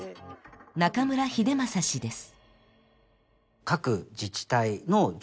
中村英正氏です。